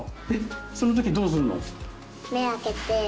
その時どうするの？